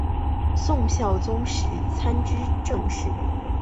宋孝宗时参知政事。